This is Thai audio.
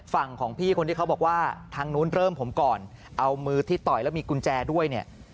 ฝั่งของพี่คนที่เขาบอกว่าทางนู้นเริ่มผมก่อนเอามือที่ต่อยแล้วมีกุญแจด้วยเนี่ย